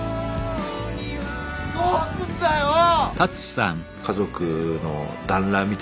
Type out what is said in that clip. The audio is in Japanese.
どうすんだよぉ⁉